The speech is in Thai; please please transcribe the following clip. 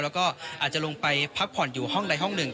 แล้วก็อาจจะลงไปพักผ่อนอยู่ห้องใดห้องหนึ่ง